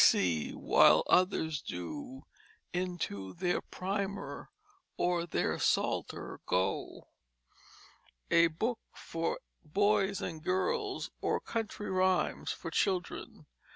B. C, while others do Into their Primer or their Psalter go._ _A Book for Boys and Girls, or Country Rhimes for Children.